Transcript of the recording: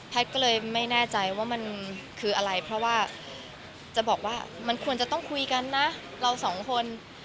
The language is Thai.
ก็เลยไม่แน่ใจว่ามันคืออะไรเพราะว่าจะบอกว่ามันควรจะต้องคุยกันนะเราสองคน